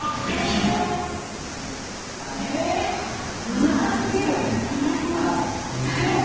見たすぎる！